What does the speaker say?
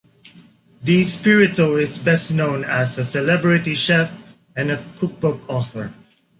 DiSpirito is best known as a celebrity chef and a cookbook author.